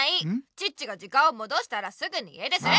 チッチが時間をもどしたらすぐに家出する！